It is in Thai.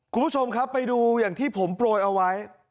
คุณผู้ชมครับไปดูอย่างที่ผมโปรยเอาไว้